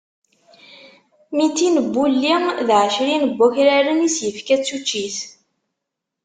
Mitin n wulli d ɛecrin n wakraren i s-yefka d tuččit.